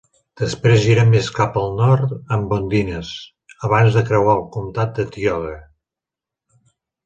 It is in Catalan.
Després gira més cap al nord en Bodines, abans de creuar al comtat de Tioga.